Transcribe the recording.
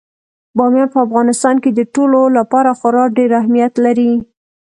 بامیان په افغانستان کې د ټولو لپاره خورا ډېر اهمیت لري.